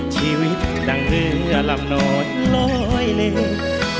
ชีวิตด้านเรือลำนดลอยเลย